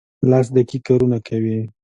لاس دقیق کارونه کوي.